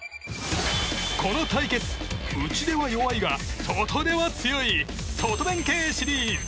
この対決、内では弱いが外では強い外弁慶シリーズ！